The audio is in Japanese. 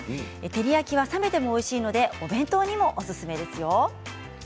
照り焼きは冷めてもおいしいのでお弁当にも、おすすめですよ。